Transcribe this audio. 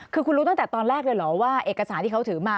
คือคุณรู้ตั้งแต่ตอนแรกเลยเหรอว่าเอกสารที่เขาถือมา